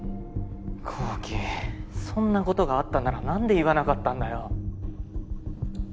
紘希そんなことがあったならなんで言わなかったんだよ？